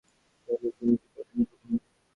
উনি ঘুম থেকে ওঠেন কখন?